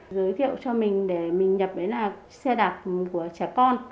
giới thiệu cho mình để mình nhập đến là xe đạc của trẻ con